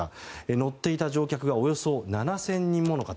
乗っていた乗客がおよそ７０００人もの方。